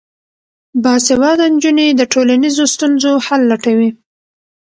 باسواده نجونې د ټولنیزو ستونزو حل لټوي.